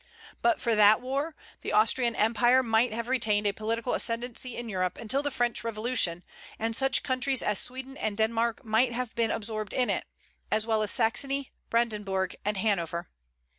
But for that war, the Austrian Empire might have retained a political ascendency in Europe until the French Revolution; and such countries as Sweden and Denmark might have been absorbed in it, as well as Saxony, Brandenburg, and Hanover.